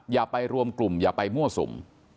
อย่าไปรวมกลุ่มอย่าไปมั่วสุม